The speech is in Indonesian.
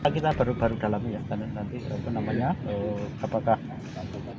kita baru baru dalamnya karena nanti terlalu penuh